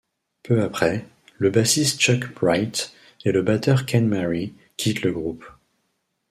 Peu après, le bassiste Chuck Wright et le batteur Ken Mary quittent le groupe.